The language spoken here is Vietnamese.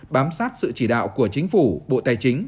bám sát sự chỉ đạo của chính phủ bộ tài chính